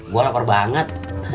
gua lapar banget